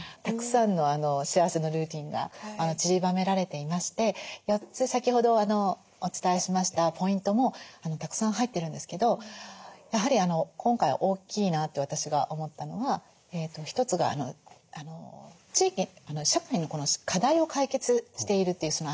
たくさんの幸せのルーティンがちりばめられていまして４つ先ほどお伝えしましたポイントもたくさん入ってるんですけどやはり今回大きいなと私が思ったのは一つが地域社会の課題を解決しているという。